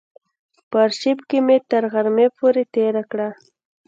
په آرشیف کې مې تر غرمې پورې تېره کړه.